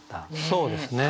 そうですね。